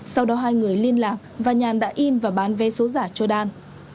sau đó hai người liên lạc và nhàn đã in và bán vé số giả cho đan